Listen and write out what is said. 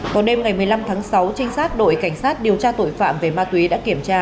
vào đêm ngày một mươi năm tháng sáu trinh sát đội cảnh sát điều tra tội phạm về ma túy đã kiểm tra